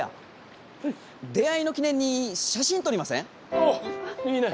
おっいいね。